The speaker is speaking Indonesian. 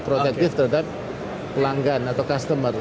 protective terhadap pelanggan atau customer